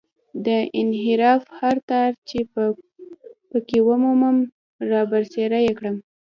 د انحراف هر تار چې په کې ومومم رابرسېره یې کړم.